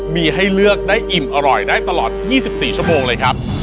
มีให้เลือกได้อิ่มอร่อยได้ตลอด๒๔ชั่วโมงเลยครับ